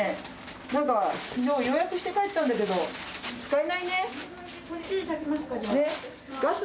なんか、きのう、予約して帰ったんだけど、使えないね。